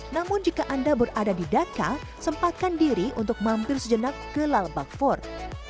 namun jika anda berada di daka sempatkan diri untuk mampir sejenak ke lalbag fort